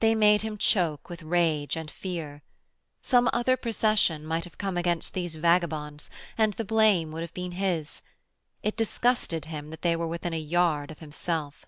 They made him choke with rage and fear. Some other procession might have come against these vagabonds, and the blame would have been his. It disgusted him that they were within a yard of himself.